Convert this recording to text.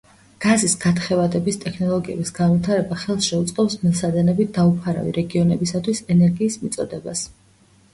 გაზის გათხევადების ტექნოლოგიების განვითარება ხელს შეუწყობს მილსადენებით დაუფარავი რეგიონებისათვის ენერგიის მიწოდებას.